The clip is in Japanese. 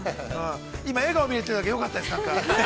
今笑顔を見れてよかったです。